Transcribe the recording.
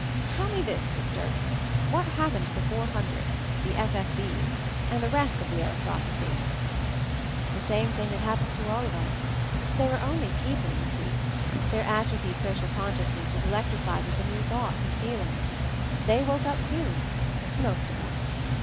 "Tell me this, Sister; what happened to the Four Hundred— the F. F. V's — and the rest of the aristocracy? 5 »> MOVING THE MOUNTAIN 265 "The same thing that happened to all of us. They were only people, you see. Their atrophied social consciousness was electrified with the new thoughts and feelings. They woke up, too, most of them.